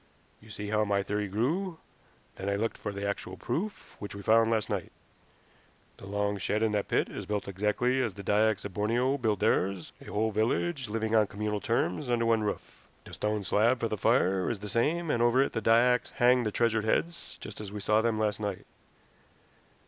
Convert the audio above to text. You see how my theory grew. Then I looked for the actual proof, which we found last night. The long shed in that pit is built exactly as the Dyaks of Borneo build theirs a whole village living on communal terms under one roof. The stone slab for the fire is the same, and over it the Dyaks hang the treasured heads, just as we saw them last night.